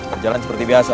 berjalan seperti biasa